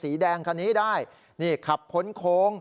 มีรถเก๋งแดงคุณผู้ชมไปดูคลิปกันเองนะฮะ